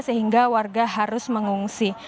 sehingga warga harus mengungsi